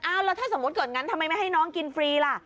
เอาล่ะถ้าสมมติเกิดหนึ่งทำไมไม่ให้น้องกินฟรีล่ะ